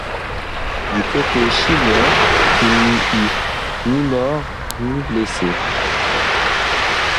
Du côté chilien, il n’y eut ni mort ni blessé.